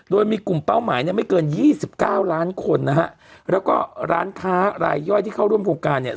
โดยมีกลุ่มเป้าหมายเนี่ยไม่เกินยี่สิบเก้าล้านคนนะฮะแล้วก็ร้านค้ารายย่อยที่เข้าร่วมโครงการเนี่ย